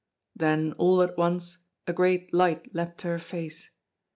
Then all at once a great light leapt to her face.